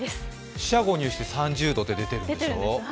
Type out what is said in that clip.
四捨五入して３０度って出てるでしょ。